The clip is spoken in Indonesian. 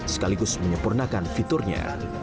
sekaligus menyempurnakan fiturnya